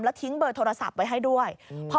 ทิ้งเบอร์โทรศัพท์ไว้ให้ด้วย